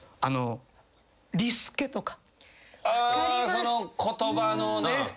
その言葉のね。